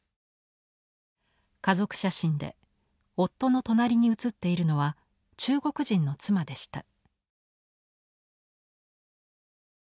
家族写真で夫の隣に写っているのは中国人の妻でした。